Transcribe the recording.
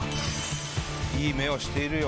いい目をしているよ